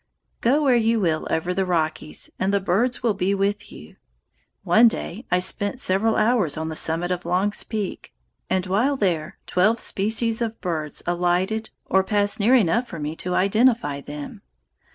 Go where you will over the Rockies and the birds will be with you. One day I spent several hours on the summit of Long's Peak, and while there twelve species of birds alighted or passed near enough for me to identify them.